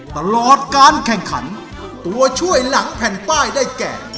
ตลอดการแข่งขันตัวช่วยหลังแผ่นป้ายได้แก่